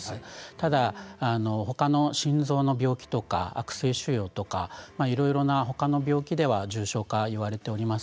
ただ、ほかの心臓の病気悪性腫瘍とかいろいろなほかの病気では重症化がいわれています。